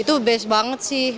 itu best banget sih